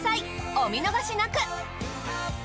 お見逃しなく。